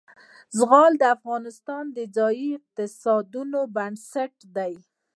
زغال د افغانستان د ځایي اقتصادونو بنسټ دی.